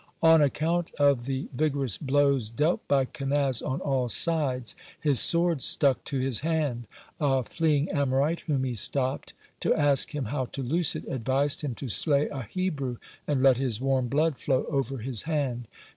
On account of the vigorous blows dealt by Kenaz on all sides, his sword stuck to his hand. A fleeing Amorite, whom he stopped, to ask him how to loose it, advised him to slay a Hebrew, and let his warm blood flow over his hand.